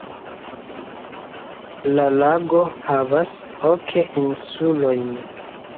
La lago havas ok insulojn.